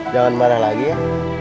jangan marah lagi ya